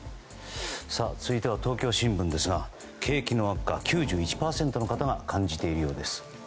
続いては東京新聞ですが景気の悪化、９１％の方が感じているようです。